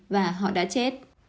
và họ đã chết